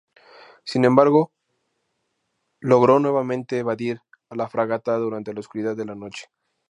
Sin embargo, logró nuevamente evadir a la fragata durante la oscuridad de la noche.